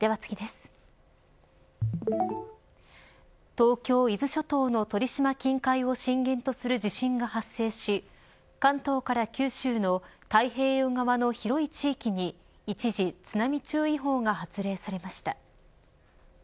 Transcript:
東京・伊豆諸島の鳥島近海を震源とする地震が発生し関東から九州の太平洋側の広い地域に一時津波注意報が発令されました。